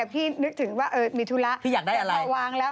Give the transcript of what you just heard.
พี่ยังนึกถึงว่ามีธุระ